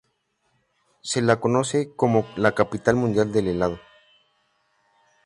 Se la conoce como la "Capital mundial del helado".